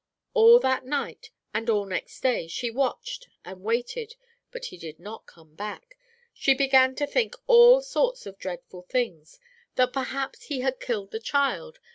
"All that night, and all next day, she watched and waited, but he did not come back. She began to think all sorts of dreadful things, that perhaps he had killed the child.